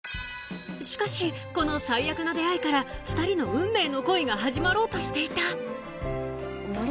しかしこの最悪な出会いから２人の運命の恋が始まろうとしていた森生